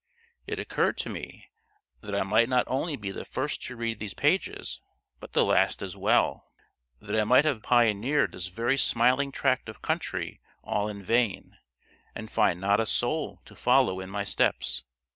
It occurred to me that I might not only be the first to read these pages, but the last as well; that I might have pioneered this very smiling tract of country all in vain, and find not a soul to follow in my steps.